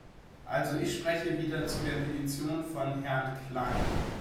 Also ich spreche wieder zu der Petition von Herrn Klein.